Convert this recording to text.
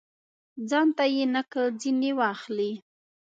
ځانته یې نقل ځني واخلي.